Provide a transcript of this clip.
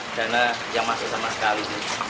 saya tidak jamaah sesama sekali